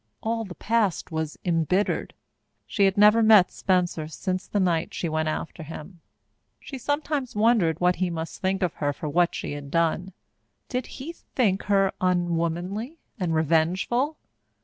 All the past was embittered. She had never met Spencer since the night she went after him. She sometimes wondered what he must think of her for what she had done. Did he think her unwomanly and revengeful?